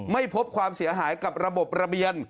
ไม่พบความเสียหายกับระบบระเบียน